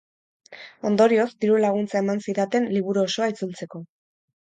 Ondorioz, diru-laguntza eman zidaten liburu osoa itzultzeko.